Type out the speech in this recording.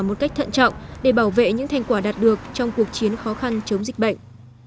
một cách thận trọng để bảo vệ những thành quả đạt được trong cuộc chiến khó khăn chống dịch bệnh